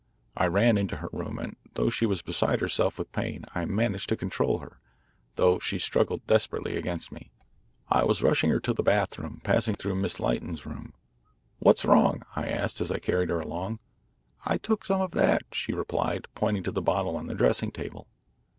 I ran into her room, and though she was beside herself with pain I managed to control her, though she struggled desperately against me. I was rushing her to the bathroom, passing through Miss Lytton's room. 'What's wrong?' I asked as I carried her along. 'I took some of that,' she replied, pointing to the bottle on the dressing table.